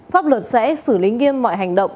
pháp luật sẽ xử lý nghiêm mọi hành động